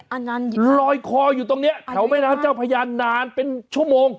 โอ้โฮลอยคออยู่ตรงนี้เฉาแม่น้ำเจ้าพยานนานเป็นชั่วโมง